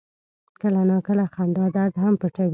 کله ناکله خندا درد هم پټوي.